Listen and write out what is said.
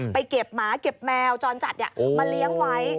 เก็บหมาเก็บแมวจรจัดมาเลี้ยงไว้